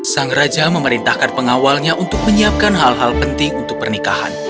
sang raja memerintahkan pengawalnya untuk menyiapkan hal hal penting untuk pernikahan